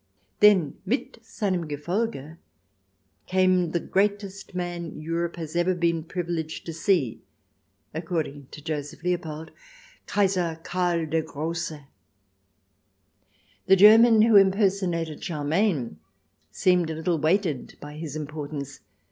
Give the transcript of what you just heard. Then " mit t9 290 THE DESIRABLE ALIEN [ch. xx seinem Gefolge " came the greatest man Europe has ever been privileged to see, according to Joseph Leopold, Kaiser Karl der Grosse. The German who impersonated Charlemagne seemed a little weighted by his importance.